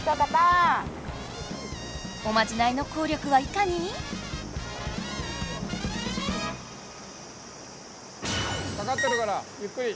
おまじないのこう力はいかに⁉かかってるからゆっくり。